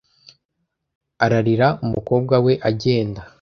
Ararira umukobwa we agenda.